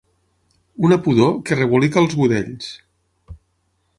Una pudor que rebolica els budells.